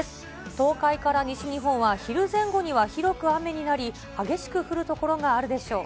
東海から西日本は昼前後には広く雨になり、激しく降る所があるでしょう。